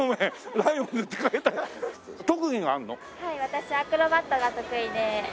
私アクロバットが得意で。